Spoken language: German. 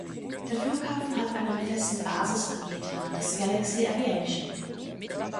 Der Flughafen hat einen festen Basisanbieter, das Galaxy Aviation.